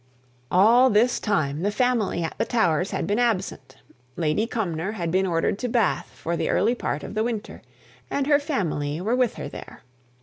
All this time the family at the Towers had been absent; Lady Cumnor had been ordered to Bath for the early part of the winter, and her family were with her there.